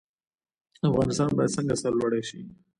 افغانستان باید څنګه سرلوړی شي؟